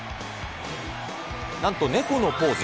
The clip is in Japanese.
なんと猫のポーズ。